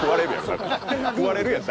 食われるやん。